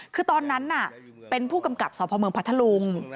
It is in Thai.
คือตอนนั้นน่ะเป็นผู้กำกับสพพัทธลุง